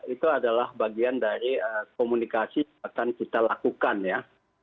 itu adalah bagian dari komunikasi yang akan kita lakukan ya